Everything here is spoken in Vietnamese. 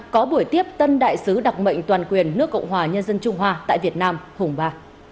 có buổi tiếp tân đại sứ đặc mệnh toàn quyền nước cộng hòa nhân dân trung hoa tại việt nam hùng ba